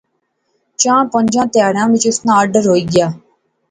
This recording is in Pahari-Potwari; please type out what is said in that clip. چاں پنجیں تہاڑیں وچ اسے ناں آرڈر ہوئی گیا